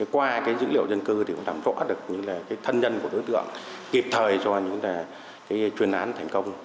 qua dữ liệu dân cư cũng làm rõ được những thân nhân của đối tượng kịp thời cho những chuyên án thành công